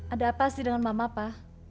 ada apa sih dengan mama apa